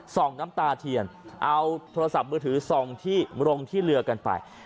น้ำตาเทียนเอาโทรศัพท์มือถือส่องที่ลงที่เรือกันไป